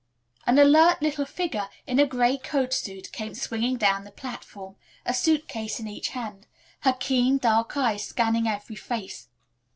An alert little figure in a gray coat suit came swinging down the platform, a suit case in each hand, her keen, dark eyes scanning every face.